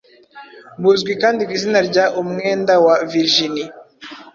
buzwi kandi ku izina rya "umwenda wa Virginie